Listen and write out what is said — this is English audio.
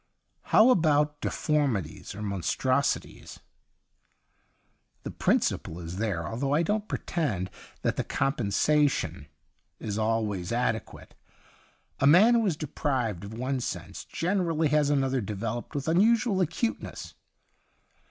' How about deformities or mon strosities ?' 'The principle is there, although I don't pretend that the compensa tion is alwaj's adequate. A man who is deprived of one sense gene rally has another developed with unusual acuteness.